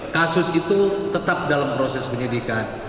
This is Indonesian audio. kasus itu tetap dalam proses penyidikan